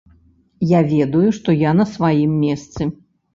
Я ведаю, што я на сваім месцы.